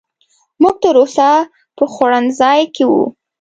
موږ تر اوسه په خوړنځای کې وو.